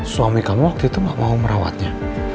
suami kamu waktu itu gak mau merawatnya